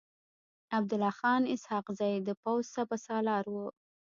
عبدالله خان اسحق زی د پوځ سپه سالار و.